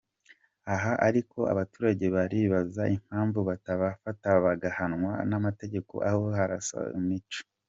Aha ariko abaturage baribaza impamvu batabafata bagahanwa n’amategeko aho kurasa mu kico.